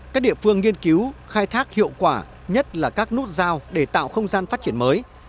các địa phương nghiên cứu khai thác hiệu quả nhất là các nút giao để tạo không gian phát triển mới